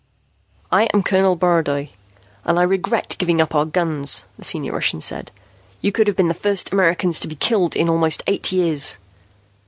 "I am Colonel Borodoy and I regret giving up our guns," the senior Russian said. "You could have been the first Americans to be killed in almost eight years."